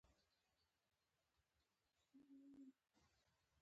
او تر اوږدې مودې پورې د نابرابرۍ لامل نه شي